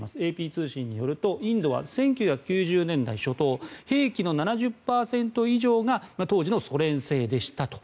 ＡＰ通信によるとインドは１９９０年代初頭兵器の７０％以上が当時のソ連製でしたと。